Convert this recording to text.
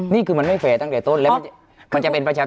นี่คือมันไม่แฟร์ตั้งแต่ต้นแล้วมันจะเป็นประชาชน